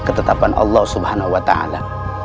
ketetapan allah subhanahu wa ta'ala